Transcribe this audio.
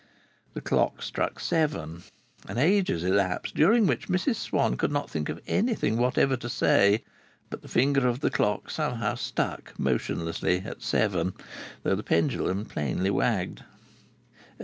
The clock struck seven, and ages elapsed, during which Mrs Swann could not think of anything whatever to say, but the finger of the clock somehow stuck motionless at seven, though the pendulum plainly wagged.